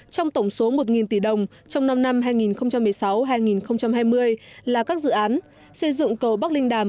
trong tổng số một tỷ đồng trong năm năm hai nghìn một mươi sáu hai nghìn hai mươi là các dự án xây dựng cầu bắc linh đàm